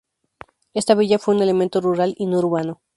Esta villa fue un elemento rural y no urbano.